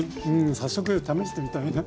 早速試してみたいな。